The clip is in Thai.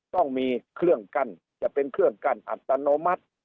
ต้องมีเครื่องกั้นจะเป็นเครื่องกั้นอัตโนมัติ